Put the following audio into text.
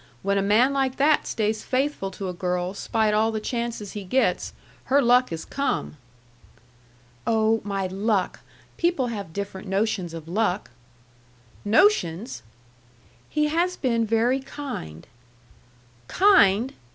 When a man like that stays faithful to a girl 'spite all the chances he gets, her luck is come." "Oh, my luck! People have different notions of luck." "Notions!" "He has been very kind." "Kind!"